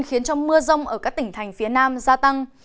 khiến cho mưa rông ở các tỉnh thành phía nam gia tăng